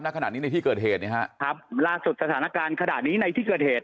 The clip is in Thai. ขณะนี้ในที่เกิดเหตุเนี่ยฮะครับล่าสุดสถานการณ์ขณะนี้ในที่เกิดเหตุ